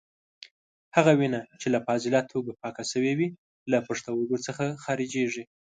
هغه وینه چې له فاضله توکو پاکه شوې وي له پښتورګو څخه خارجېږي.